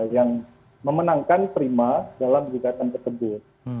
yang memenangkan prima dalam gugatan tersebut